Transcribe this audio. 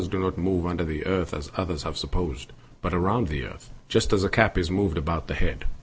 He says that the stars do not move under the earth, as others have supposed, but around the earth,® just as a cap is moved about the head.